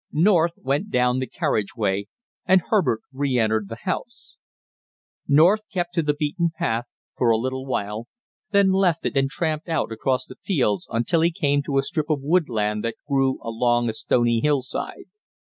North went down the carriageway, and Herbert reëntered the house. North kept to the beaten path for a little while, then left it and tramped out across the fields until he came to a strip of woodland that grew along a stony hillside.